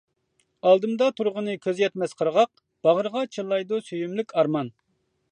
ئالدىمدا تۇرغىنى كۆز يەتمەس قىرغاق، باغرىغا چىللايدۇ سۆيۈملۈك ئارمان.